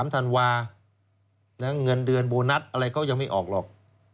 ธันวาเงินเดือนโบนัสอะไรก็ยังไม่ออกหรอก